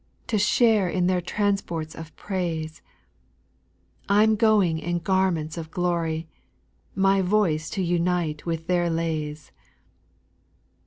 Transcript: To share in their transports of praise ; I 'm going in garments of glory. My voice to unite with their lays.